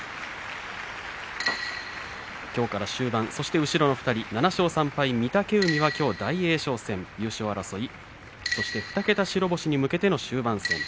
きょうから終盤そして後ろの２人７勝３敗、御嶽海はきょう大栄翔戦優勝争い、そして２桁白星に向けての終盤戦。